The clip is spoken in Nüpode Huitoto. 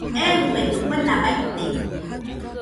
Eɨfedo kuena baite